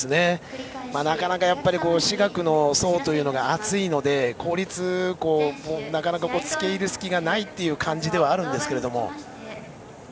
なかなか私学の層というのが厚いので公立校もなかなか付け入る隙がない感じではあるんですが。